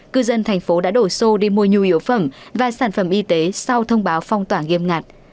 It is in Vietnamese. cư dân thành phố đã đổ xô đi mua nhu yếu phẩm và sản phẩm y tế sau thông báo phong tỏa nghiêm ngặt